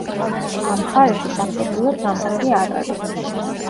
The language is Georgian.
ამ მხარეში, ფაქტობრივად, ზამთარი არ არის.